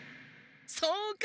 そうか！